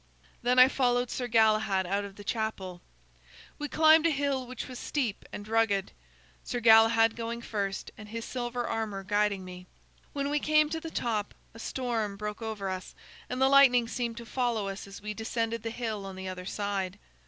"Then I followed Sir Galahad out of the chapel. We climbed a hill which was steep and rugged, Sir Galahad going first, and his silver armor guiding me. When we came to the top, a storm broke over us, and the lightning seemed to follow us as we descended the hill on the other side.